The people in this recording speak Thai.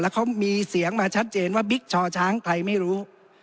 เขามีเสียงมาชัดเจนว่าบิ๊กชอช้างใครไม่รู้